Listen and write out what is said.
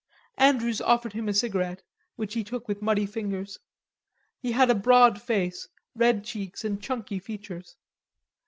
'' Andrews offered him a cigarette, which he took with muddy fingers. He had a broad face, red cheeks and chunky features.